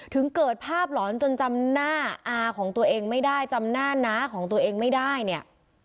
ถึงเกิดภาพหลอนจนจำหน้าอาของตัวเองไม่ได้จำหน้าน้าของตัวเองไม่ได้เนี่ย